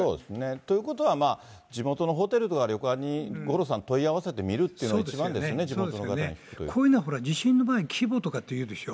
ということは、まあ、地元のホテルとか旅館に、五郎さん、問い合わせてみるっていうのが一番ですね、こういうのは地震の場合、規模とかっていうでしょ。